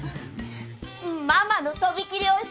ママの飛び切りおいしい